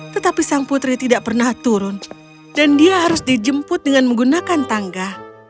tetapi sang putri tidak pernah turun dan dia harus dijemput dengan menggunakan tangga